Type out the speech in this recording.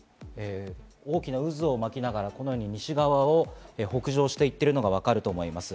大きな渦を巻きながら、このように西側を北上していっているのがわかると思います。